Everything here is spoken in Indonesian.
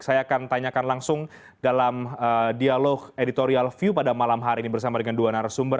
saya akan tanyakan langsung dalam dialog editorial view pada malam hari ini bersama dengan dua narasumber